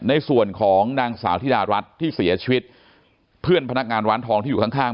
ในส่วนของนางสาวธิดารัฐที่เสียชีวิตเพื่อนพนักงานร้านทองที่อยู่ข้างข้าง